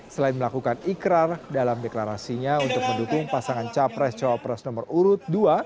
selain melakukan ikrar dalam deklarasinya untuk mendukung pasangan capres cawapres nomor urut dua